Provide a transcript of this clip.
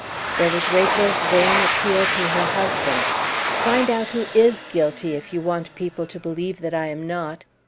There was Rachel's vain appeal to her husband, "Find out who is guilty if you want people to believe that I am not."